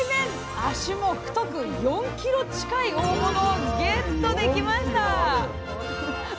足も太く４ｋｇ近い大物をゲットできました！